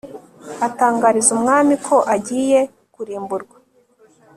atangariza umwami ko agiye kurimburwa